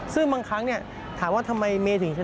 ซึ่งบางครั้งถามว่าทำไมเมย์ถึงชนะ